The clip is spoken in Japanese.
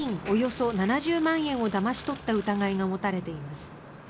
およそ７０万円をだまし取った疑いが持たれています。